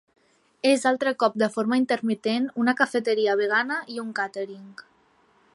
És altre cop de forma intermitent una cafeteria vegana i un càtering.